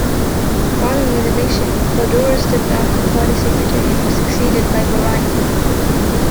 Following his election, Caldoro stepped down from party secretary and was succeeded by Barani.